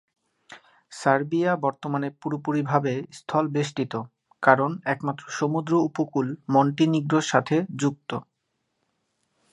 Serbia বর্তমানে পুরোপুরিভাবে স্থলবেষ্টিত, কারণ একমাত্র সমুদ্র উপকূল মন্টিনিগ্রোর সাথে যুক্ত।